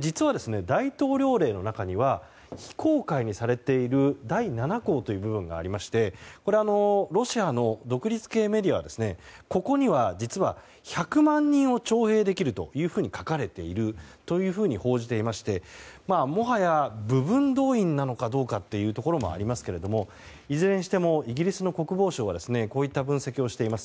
実は大統領令の中には非公開にされている第７項という部分がありましてこれはロシアの独立系メディアはここには、実は１００万人を徴兵できると書かれているというふうに報じていましてもはや部分動員なのかどうかというところもありますがいずれにしてもイギリスの国防省はこういった分析をしています。